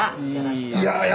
いや！